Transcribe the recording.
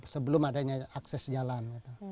sebelum adanya akses jalan